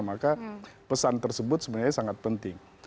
maka pesan tersebut sebenarnya sangat penting